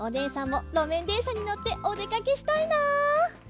もろめんでんしゃにのっておでかけしたいな。